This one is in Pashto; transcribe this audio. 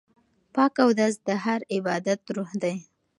پاک اودس د هر عبادت روح دی.